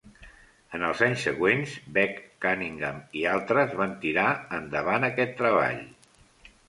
En els anys següents, Beck, Cunningham i altres van tirar endavant aquest treball.